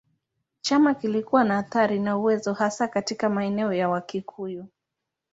Chama kilikuwa na athira na uwezo hasa katika maeneo ya Wakikuyu.